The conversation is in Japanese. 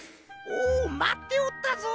おおまっておったぞ！